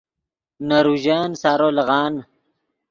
نے روژن سارو لیغان